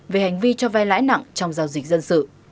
về hành vi cho vai lãi nặng trong giao dịch dân sự